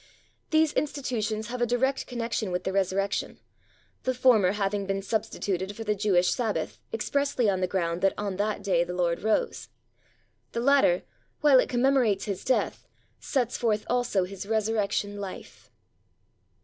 These institutions have a direct connection with the Resurrection, the former having been substituted for the Jewish Sabbath expressly on the ground that on that day the Lord rose; the latter, while it commemorates His death, sets forth also His resurrection life.